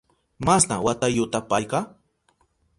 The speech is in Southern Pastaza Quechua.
¿Masna watayuta payka?